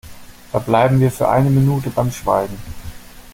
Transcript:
Verbleiben wir für eine Minute beim Schweigen!